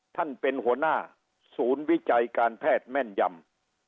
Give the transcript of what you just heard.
ท่านเป็นหัวหน้าศูนย์วิจัยการแพทย์แม่นยำ